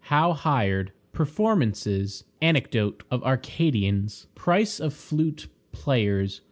How hired. Performances. Anecdote of Arcadians. Price of Flute players.